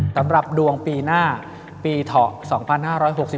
สำหรับดวงปีหน้าปีเถาะ๒๕๖๒